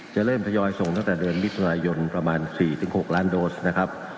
จะเริ่มทยอยส่งตั้งแต่เดือนมิถุนายนประมาณ๔๖ล้านโดสนะครับ